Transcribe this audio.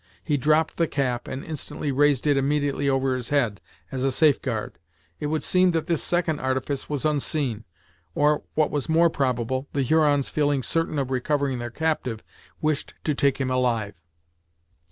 He dropped the cap, and instantly raised it immediately over his head, as a safeguard. It would seem that this second artifice was unseen, or what was more probable, the Hurons feeling certain of recovering their captive, wished to take him alive.